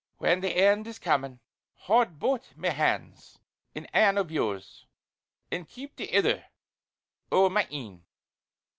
When the end is comin' haud baith my hands in ane o' yours, an' keep the ither ower my een.